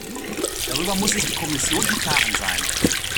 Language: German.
Darüber muss sich die Kommission im Klaren sein.